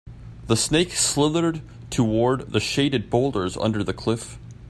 The snake slithered toward the shaded boulders under the cliff.